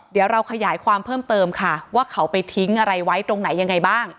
เดี๋ยวเราขยายความเพิ่มเติมค่ะว่าเขาไปทิ้งอะไรไว้ตรงไหนยังไงบ้าง